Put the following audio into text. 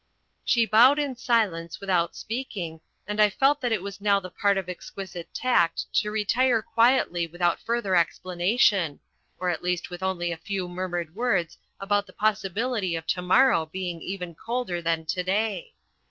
She bowed in silence, without speaking, and I felt that it was now the part of exquisite tact to retire quietly without further explanation, or at least with only a few murmured words about the possibility of to morrow being even colder than to day.